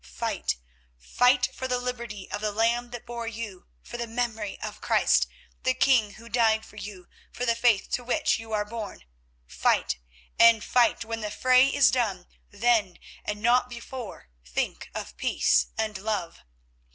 Fight, fight for the liberty of the land that bore you, for the memory of Christ, the King who died for you, for the faith to which you are born; fight, fight, and when the fray is done, then, and not before, think of peace and love.